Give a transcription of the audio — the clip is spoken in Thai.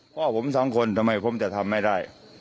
พ่อผมสองคนทำไมผมจะทำไม่ได้